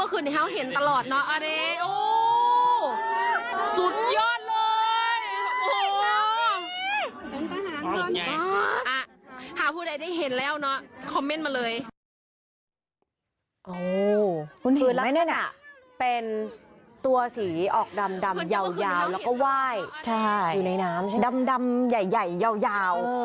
คุณเห็นไหมเนี่ยเป็นตัวสีออกดำยาวแล้วก็ไหว้ดำใหญ่ยาว